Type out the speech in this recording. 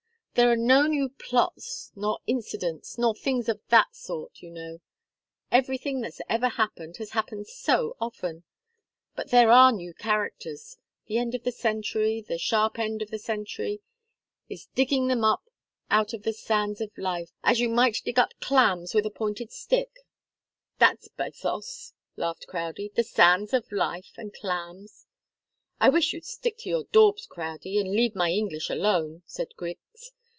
There are no new plots, nor incidents, nor things of that sort, you know. Everything that's ever happened has happened so often. But there are new characters. The end of the century, the sharp end of the century, is digging them up out of the sands of life as you might dig up clams with a pointed stick." "That's bathos!" laughed Crowdie. "The sands of life and clams!" "I wish you'd stick to your daubs, Crowdie, and leave my English alone!" said Griggs.